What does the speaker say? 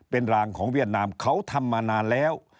เป็นรางของเวียดนามเขาทำมานานแล้ว